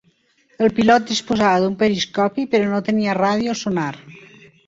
El pilot disposava d'un periscopi, però no tenia ràdio o sonar.